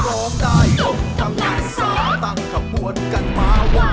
โอเค